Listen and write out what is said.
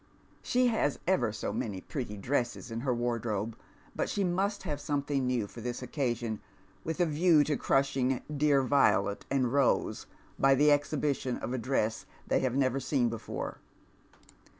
She has ever so many pretty dresses in her wardrobe, but she must have something new for this occasion, with a view to crushing dear Violet and Rose by the exhibition of adress they have never seen before.